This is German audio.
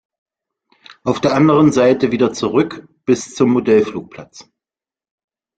Auf der anderen Seite wieder zurück bis zum Modellflugplatz.